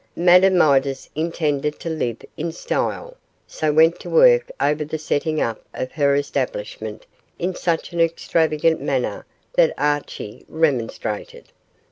Madame Midas intended to live in style, so went to work over the setting up of her establishment in such an extravagant manner that Archie remonstrated.